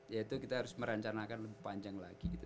yaitu kita harus merencanakan lebih panjang lagi gitu